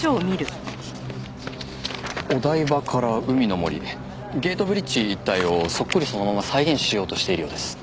お台場から海の森ゲートブリッジ一帯をそっくりそのまま再現しようとしているようです。